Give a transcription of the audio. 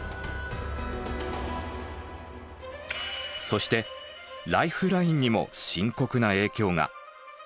そしてライフラインにも深刻な影響が。